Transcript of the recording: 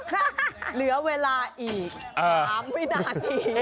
เหลือเวลาอีก๓วินาที